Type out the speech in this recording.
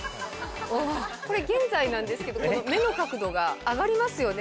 これ現在なんですけど目の角度が上がりますよね。